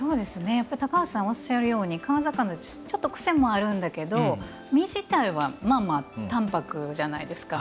高橋さんおっしゃられるように、川魚ってちょっと癖もあるんだけど身自体はまあまあ淡泊じゃないですか。